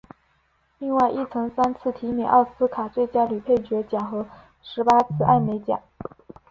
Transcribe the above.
另外亦曾三次提名奥斯卡最佳女配角奖和十八次艾美奖。